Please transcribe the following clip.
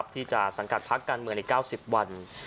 ที่จะสังกัดพักการเมืองใน๙๐วัน